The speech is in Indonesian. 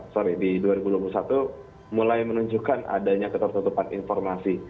sorry di dua ribu dua puluh satu mulai menunjukkan adanya ketertutupan informasi